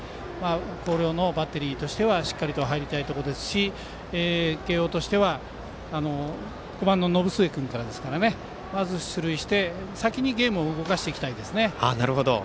広陵のバッテリーとしてはしっかりと入りたいところですし慶応としては５番の延末君からなのでまず出塁して先にゲームを動かしていきたいですね。